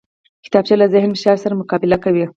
کتابچه له ذهني فشار سره مقابله کوي